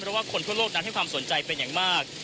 เพราะว่าคนทั่วโลกนั้นให้ความสนใจเป็นอย่างมาก